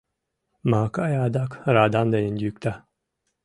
Макай адак радам дене йӱкта.